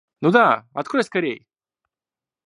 Ну да, открой скорей!